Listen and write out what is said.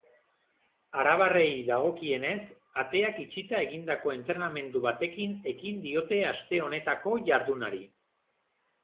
Arabarrei dagokienez, ateak itxita egindako entrenamendu batekin ekin diote aste honetako jardunari.